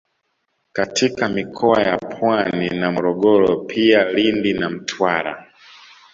katika mikoa ya Pwani na Morogoro pia Lindi na Mtwara